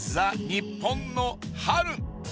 日本の春！